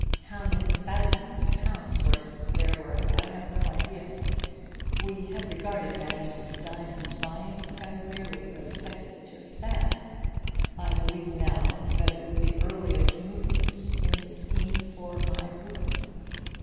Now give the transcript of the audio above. How many thousands of pounds' worth there were there I have no idea. We had regarded Manderson's diamond buying as merely a speculative fad. I believe now that it was the earliest movement in the scheme for my ruin.